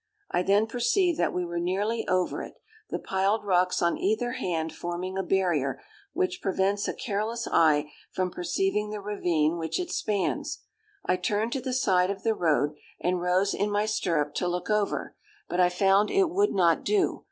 I then perceived that we were nearly over it, the piled rocks on either hand forming a barrier, which prevents a careless eye from perceiving the ravine which it spans. I turned to the side of the road, and rose in my stirrup to look over; but I found it would not do.